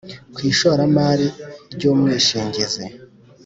Ku ishoramari ry umwishingizi